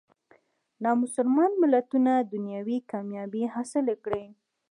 نامسلمان ملتونه دنیوي کامیابۍ حاصلې کړي.